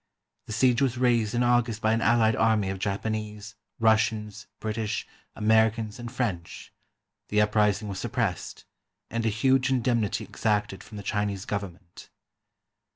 The siege was raised in August by an allied army of Japanese, Russians, British, Americans, and French; the uprising was suppressed, and a huge indemnity exacted from the Chinese Government.